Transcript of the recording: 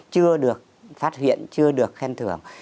chưa được phát hiện chưa được khen thưởng